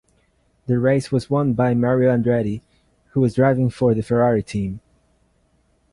The race was won by Mario Andretti who was driving for the Ferrari team.